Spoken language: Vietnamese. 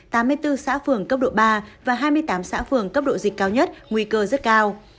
tám mươi bốn xã phường cấp độ ba và hai mươi tám xã phường cấp độ dịch cao nhất nguy cơ rất cao